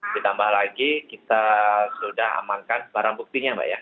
ditambah lagi kita sudah amankan barang buktinya mbak ya